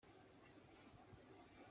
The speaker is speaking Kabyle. Meqqreḍ yakan.